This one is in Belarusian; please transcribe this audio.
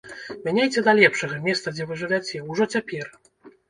Мяняйце да лепшага месца, дзе вы жывяце, ужо цяпер!